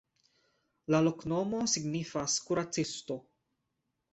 La loknomo signifas: "kuracisto".